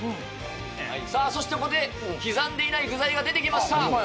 さあそしてここで刻んでいない具材が出てきました。